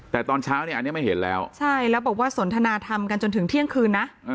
แต่ตอนเช้าเนี่ยอันนี้ไม่เห็นแล้วใช่แล้วบอกว่าสนทนาธรรมกันจนถึงเที่ยงคืนนะ